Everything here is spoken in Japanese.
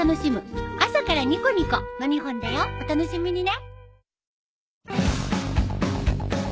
お楽しみにね。